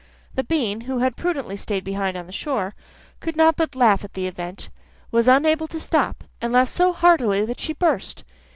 The bean, who had prudently stayed behind on the shore, could not but laugh at the event, was unable to stop, and laughed so heartily that she burst.